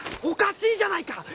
おかしいじゃないか！